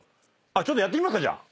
ちょっとやってみますかじゃあ。